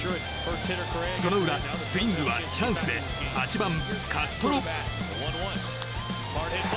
その裏、ツインズはチャンスで８番、カストロ。